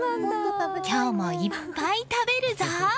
今日もいっぱい食べるぞ！